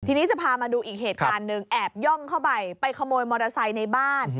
ทีนี้จะพามาดูอีกเหตุการณ์หนึ่งแอบย่องเข้าไปไปขโมยมอเตอร์ไซค์ในบ้าน